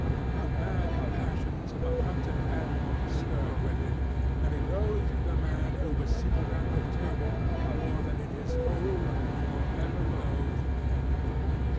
The mad passions of a hunted animal stirred within him, and he loathed the man who was seated at the table, more than in his whole life he had ever loathed anything.